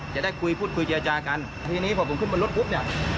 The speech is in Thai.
จะได้คุยพูดคุยเจรจากันทีนี้พอผมขึ้นบนรถปุ๊บเนี่ย